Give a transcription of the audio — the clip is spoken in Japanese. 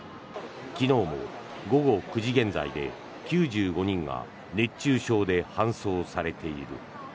昨日も午後９時現在で９５人が熱中症で搬送されている。